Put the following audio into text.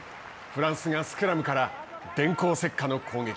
フランスがスクラムから電光石火の攻撃。